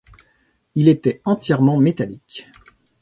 Il était entièrement métallique.